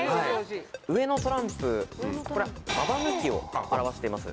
上のトランプこれ。を表しています。